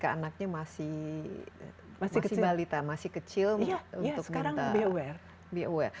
ya sekarang yang datang ketika anaknya masih kecil untuk minta b u r